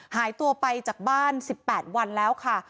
หายตัวไปจากบ้าน๑๘วันแล้วค่ะ